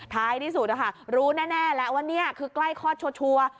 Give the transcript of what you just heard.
ท้ายที่สุดรู้แน่แล้วว่านี่คือใกล้คลอดชัวร์